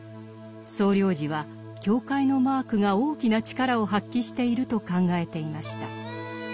総領事は教会のマークが大きな力を発揮していると考えていました。